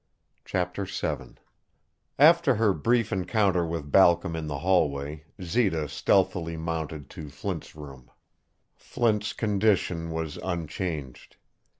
CHAPTER VII After her brief encounter with Balcom in the hallway Zita stealthily mounted to Flint's room. Flint's condition was unchanged.